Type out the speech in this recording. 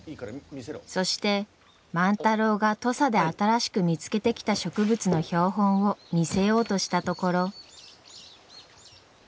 そして万太郎が土佐で新しく見つけてきた植物の標本を見せようとしたところ。